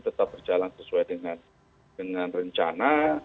tetap berjalan sesuai dengan rencana